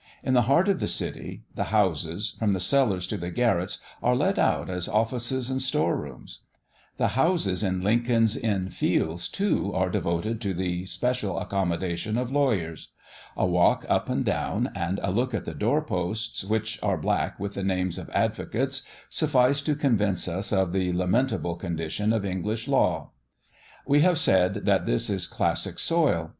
In the heart of the city, the houses, from the cellars to the garrets, are let out as offices and store rooms. The houses in Lincoln's Inn Fields, too, are devoted to the special accommodation of lawyers. A walk up and down, and a look at the door posts, which are black with the names of advocates, suffice to convince us of the lamentable condition of English law. We have said that this is classic soil.